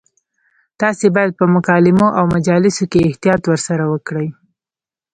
تاسو باید په مکالمو او مجالسو کې احتیاط ورسره وکړئ.